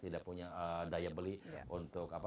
tidak punya daya beli untuk